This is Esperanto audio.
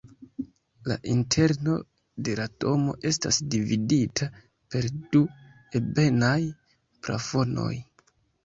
La interno de la domo estas dividita per du ebenaj plafonoj.